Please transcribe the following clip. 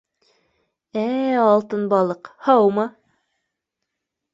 — Ә-ә, алтын балыҡ, һаумы